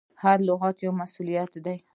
هر لغت یو مسؤلیت دی.